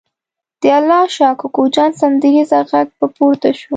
د الله شا کوکو جان سندریزه غږ به پورته شو.